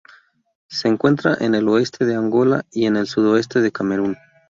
Se encuentra en el oeste de Angola y en el sudoeste de Camerún.